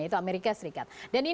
yaitu amerika serikat